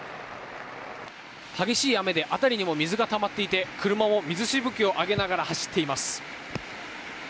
激しい雨で辺りにも水がたまっていて車も水しぶきを上げながら走っています。